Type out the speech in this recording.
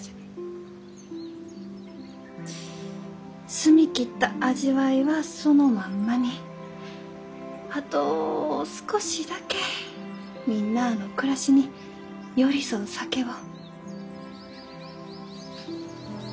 澄み切った味わいはそのまんまにあと少しだけみんなあの暮らしに寄り添う酒を。